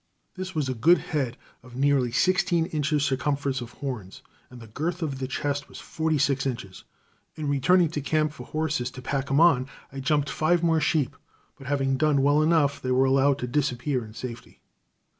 This was a good head of nearly sixteen inches circumference of horns, and the girth of chest was forty six inches. In returning to camp for horses to pack him on, I jumped five more sheep, but having done well enough, they were allowed to disappear in safety.